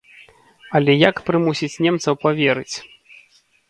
Але як прымусіць немцаў паверыць?